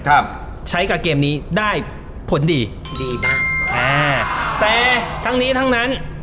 ครับใช้กับเกมนี้ได้ผลดีดีมากอ่าแต่ทั้งนี้ทั้งนั้น